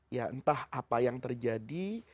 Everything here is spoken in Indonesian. ya entah apa yang terjadi